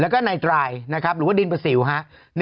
แล้วก็ในตรายนะครับหรือว่าดินประสิวฮะ